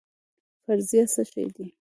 فرضیه څه شی دی؟